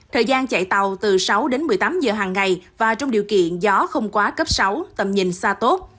thời gian chạy tàu từ sáu đến một mươi tám giờ hàng ngày và trong điều kiện gió không quá cấp sáu tầm nhìn xa tốt